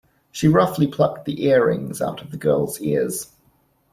She roughly plucked the earrings out of the girl's ears.